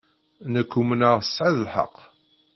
Nekk umneɣ tesɛiḍ lḥeqq.